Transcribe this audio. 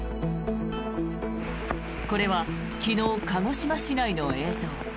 これは昨日、鹿児島市内の映像。